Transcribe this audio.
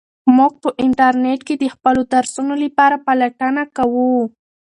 موږ په انټرنیټ کې د خپلو درسونو لپاره پلټنه کوو.